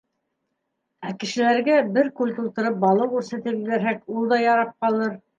Ә кешеләргә бер күл тултырып балыҡ үрсетеп ебәрһәк, ул да ярап ҡалыр.